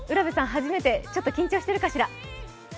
初めて、ちょっと緊張しているかしら？